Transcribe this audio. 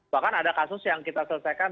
bahkan ada kasus yang kita selesaikan